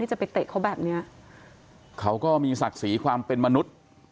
จะไปเตะเขาแบบเนี้ยเขาก็มีศักดิ์ศรีความเป็นมนุษย์